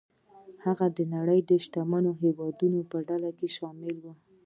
هغه د نړۍ د شتمنو هېوادونو په ډله کې شامل و.